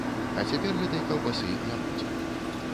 А цяпер гэтай каўбасы не будзе.